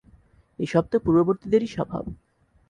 এসবতো পূর্ববর্তীদেরই স্বভাব।